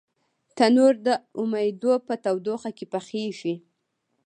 تنور د امیدو په تودوخه کې پخېږي